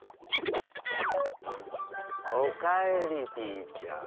おかえりピーちゃん！